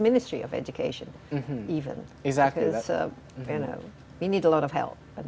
kami membutuhkan banyak bantuan